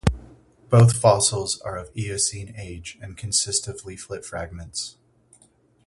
Both fossils are of Eocene age, and consist of leaflet fragments.